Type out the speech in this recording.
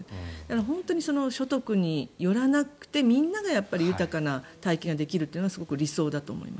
本当に所得によらなくてみんなが豊かな体験ができるのがすごく理想だと思います。